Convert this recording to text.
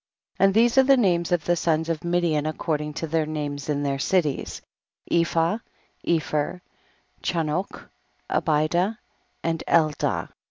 11. And these are the names of the sons of Midian according to their names in their cities, Ephah, Epher, Chanoch, Abida and Eldaah.